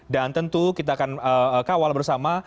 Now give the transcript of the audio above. dan tentu kita akan kawal bersama